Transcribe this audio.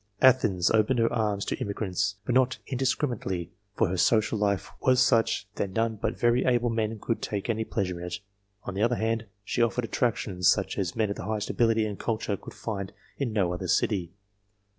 Athens opened her arms to immigrants, but not indiscriminately, for her social life was such that none but very able men could take any pleasure in it ; on the other hand, she offered attractions such as men of the highest ability and culture could find in no other city.